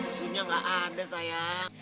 susunya gak ada sayang